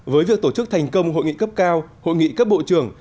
với việc tổ chức thành công hội nghị cấp cao hội nghị các bộ trưởng